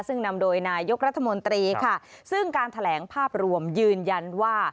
ซึ่งนำโดยนายกรัฐมนตรีค่ะซึ่งการแถลงภาพรวมยืนยันว่า